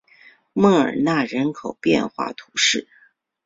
莫尔纳人口变化图示